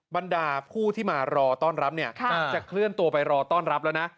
บรรดาผู้ที่มารอต้อนรับเนี่ยจะเคลื่อนตัวไปรอต้อนรับแล้วนะ